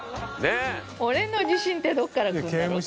俺の自信ってどこから来るんだろうそれ。